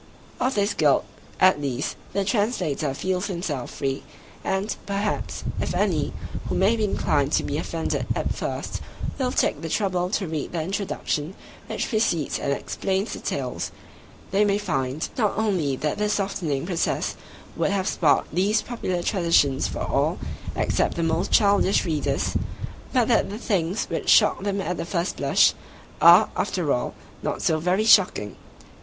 Of this guilt, at least, the Translator feels himself free; and, perhaps, if any, who may be inclined to be offended at first, will take the trouble to read the Introduction which precedes and explains the Tales, they may find, not only that the softening process would have spoilt these popular traditions for all except the most childish readers, but that the things which shocked them at the first blush, are, after all, not so very shocking.